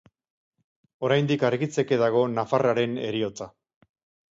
Oraindik argitzeke dago nafarraren heriotza.